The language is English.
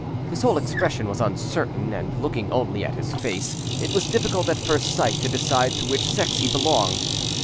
His whole expression was uncertain, and looking only at his face it was difficult at first sight to decide to which sex he belonged.